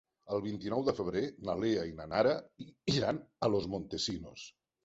El vint-i-nou de febrer na Lea i na Nara iran a Los Montesinos.